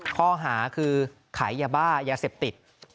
ข้อหาคือขายยาบ้ายาเสพติด